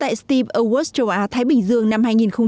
awards châu á thái bình dương năm hai nghìn hai mươi